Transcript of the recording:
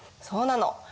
そうなの。